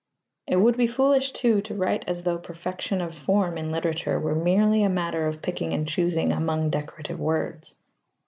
It would be foolish, too, to write as though perfection of form in literature were merely a matter of picking and choosing among decorative words.